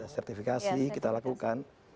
sertifikasi kita lakukan